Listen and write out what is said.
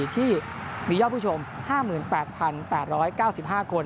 ที่มียอดผู้ชม๕๘๘๙๕คน